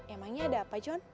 emangnya ada apa jon